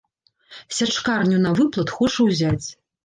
Сячкарню на выплат хоча ўзяць.